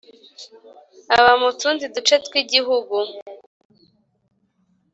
aba mututundi duce tw’ igihugu .